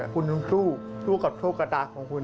คุณทั้งคู่สู้กับโชคกระดาษของคุณ